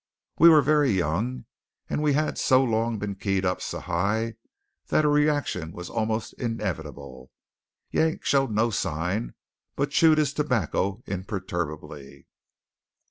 We were very young; and we had so long been keyed up so high that a reaction was almost inevitable. Yank showed no sign; but chewed his tobacco imperturbably.